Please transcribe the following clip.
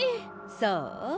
そう？